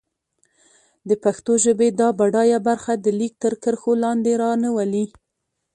د پښتو ژبې دا بډايه برخه د ليک تر کرښو لاندې را نه ولي.